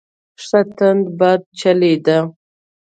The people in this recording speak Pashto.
ښه تند باد چلیده.